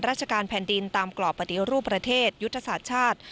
ราชการแผ่นดินตามกรอบปฏิรูปประเทศยุทธศาสตร์ชาติ